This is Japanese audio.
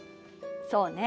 そうね。